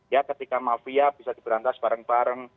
ya ketika mafia bisa diberantas bareng bareng